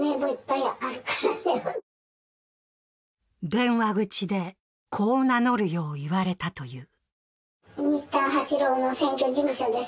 電話口で、こう名乗るよう言われたという。